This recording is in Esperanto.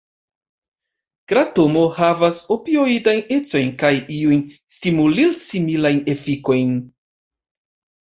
Kratomo havas opioidajn ecojn kaj iujn stimulil-similajn efikojn.